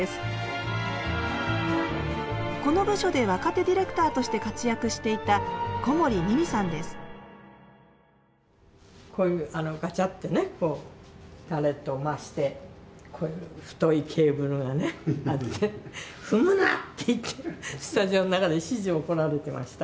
この部署で若手ディレクターとして活躍していたこういうあのガチャッてねターレットを回してこういう太いケーブルがねあって「踏むな！」って言ってスタジオの中で始終怒られてましたっけ。